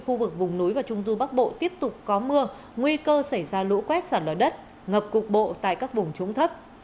khu vực vùng núi và trung du bắc bộ tiếp tục có mưa nguy cơ xảy ra lũ quét sạt lở đất ngập cục bộ tại các vùng trũng thấp